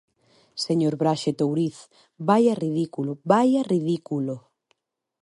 Señor Braxe Touriz, ¡vaia ridículo!, ¡vaia ridículo!